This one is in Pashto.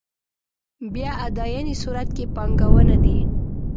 بیا اداينې صورت کې پانګونه دي.